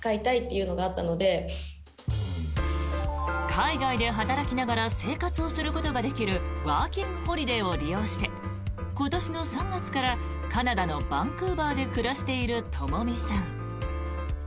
海外で働きながら生活をすることができるワーキングホリデーを利用して今年の３月からカナダのバンクーバーで暮らしている、ともみさん。